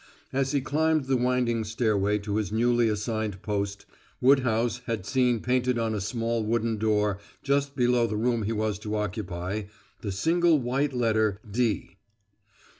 As he climbed the winding stairway to his newly assigned post, Woodhouse had seen painted on a small wooden door just below the room he was to occupy the single white letter "D."